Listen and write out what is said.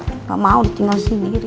enggak mau tinggal sendiri